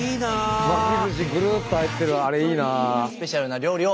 巻きずしぐるっと入ってるあれいいな。